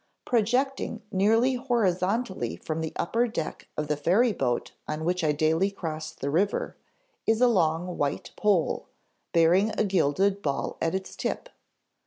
"Projecting nearly horizontally from the upper deck of the ferryboat on which I daily cross the river, is a long white pole, bearing a gilded ball at its tip.